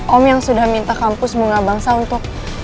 om yang sudah minta kampus bunga bangsa untuk